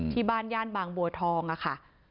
ที่บ้านย่านบางบัวทองค่ะ